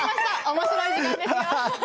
面白い時間ですよ。